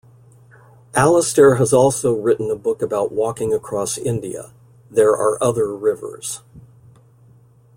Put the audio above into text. Alastair has also written a book about walking across India: "There Are Other Rivers".